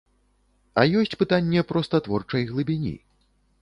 А ёсць пытанне проста творчай глыбіні.